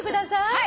はい。